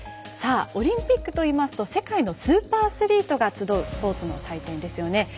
オリンピックといいますと世界のスーパーアスリートが集うスポーツの祭典ですよね。